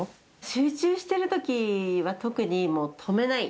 集中してるときは特にもう止めない。